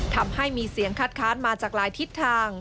ทำให้มีเสียงคัดค้านมาจากหลายทิศทาง